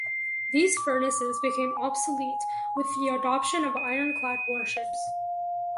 These furnaces became obsolete with the adoption of ironclad warships.